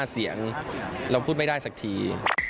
เสียงเราพูดไม่ได้สักที